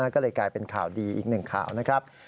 ก็เลยกลายเป็นข่าวดีอีกหนึ่งข่าวนะครับ